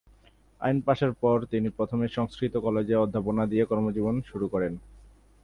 আইন পাশের পর তিনি প্রথমে সংস্কৃত কলেজে অধ্যাপনা দিয়ে কর্মজীবন শুরু করেন।